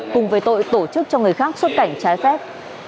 cùng với tội tổ chức cho người khác xuất cảnh trái phép